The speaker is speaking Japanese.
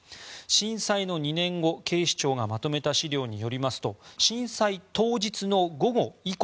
震災の２年後、警視庁がまとめた資料によりますと震災当日の午後以降